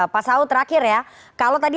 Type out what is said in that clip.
pak saud terakhir ya kalau tadi